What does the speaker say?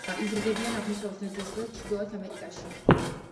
იზრდებიან აღმოსავლეთ აზიასა და ჩრდილოეთ ამერიკაში.